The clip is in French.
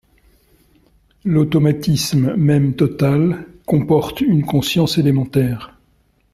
L'automatisme même total comporte une conscience élémentaire.